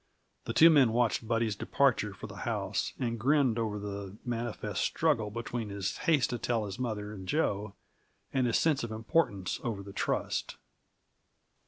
The two men watched Buddy's departure for the house, and grinned over the manifest struggle between his haste to tell his mother and Jo, and his sense of importance over the trust.